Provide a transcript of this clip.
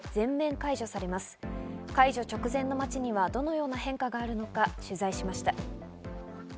解除直前の街にはどのような変化があるのか取材しました。